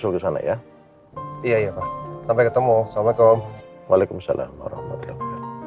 nyusul ke sana ya iya sampai ketemu sama kau waalaikumsalam warahmatullah